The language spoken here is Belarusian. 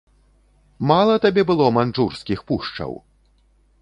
Мала табе было маньчжурскіх пушчаў?